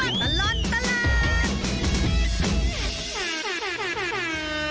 ช่วงตลอดตลอด